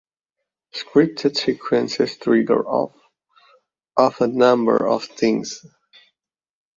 Scripted sequences trigger off of a number of things.